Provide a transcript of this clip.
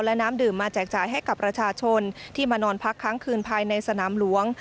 และน้ำดื่มมาแจกจ่ายให้กับประชาชนที่มานอนพักค้างคืนภายในสนามหลวง